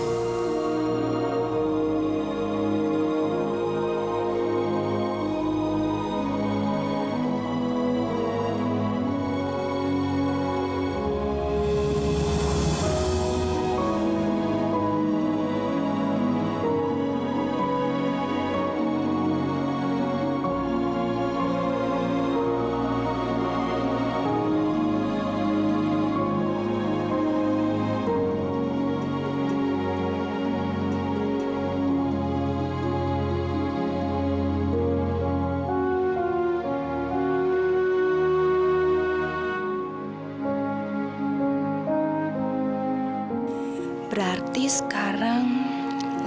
sampai jumpa lagi